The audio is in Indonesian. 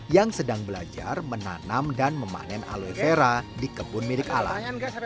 yang sedang belajar menanam dan memanen aloe vera di kebun milik alam